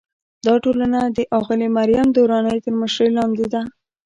دا ټولنه د اغلې مریم درانۍ تر مشرۍ لاندې ده.